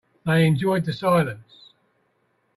They enjoyed the silence.